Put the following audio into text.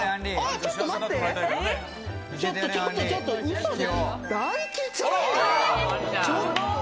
ちょっとちょっと、大吉！